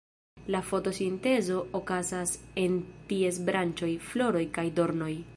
La fotosintezo okazas en ties branĉoj, floroj kaj dornoj.